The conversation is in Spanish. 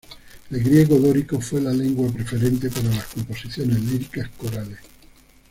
El griego dórico fue la lengua preferente para las composiciones líricas corales.